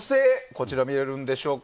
こちらが見れるでしょうか